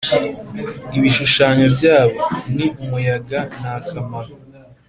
Ibishushanyo byabo? Ni umuyaga, nta kamaro!